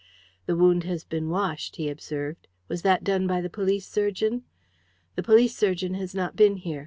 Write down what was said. "The wound has been washed," he observed. "Was that done by the police surgeon?" "The police surgeon has not been here.